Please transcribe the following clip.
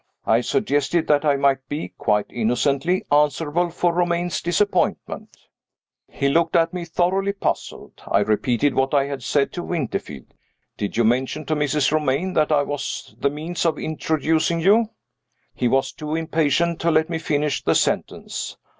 I suggested that I might be (quite innocently) answerable for Romayne's disappointment. He looked at me thoroughly puzzled. I repeated what I had said to Winterfield. "Did you mention to Mrs. Romayne that I was the means of introducing you ?" He was too impatient to let me finish the sentence.